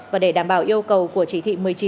và để đảm bảo yêu cầu của chỉ thị một mươi chín